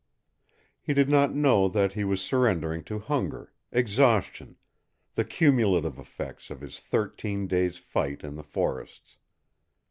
He did not know that he was surrendering to hunger, exhaustion, the cumulative effects of his thirteen days' fight in the forests.